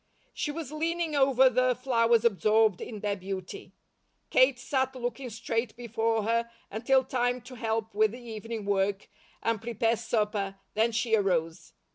She was leaning over the flowers absorbed in their beauty. Kate sat looking straight before her until time to help with the evening work, and prepare supper, then she arose.